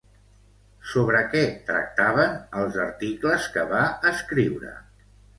Sobre què tractaven els articles que va escriure?